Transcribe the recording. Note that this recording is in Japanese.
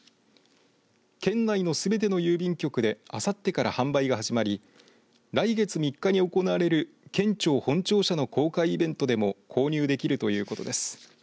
県内のすべての郵便局であさってから販売が始まり来月３日に行われる県庁本庁舎の公開イベントでも購入できるということです。